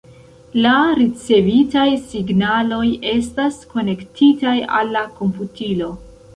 La ricevitaj signaloj estas konektitaj al la komputilo.